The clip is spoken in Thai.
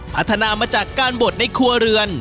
พัฒนามาจากการบดในครัวเรือน